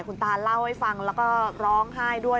คุณตาเล่าให้ฟังแล้วก็ร้องไห้ด้วย